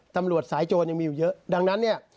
ตำรวจสายโจรยังมีอยู่เยอะดังนั้นเนี่ย